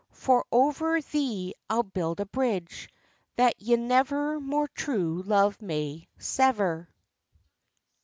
For over thee I'll build a bridge, That ye never more true love may sever."